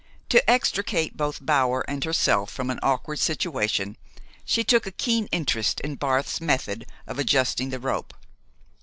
To extricate both Bower and herself from an awkward situation she took a keen interest in Barth's method of adjusting the rope.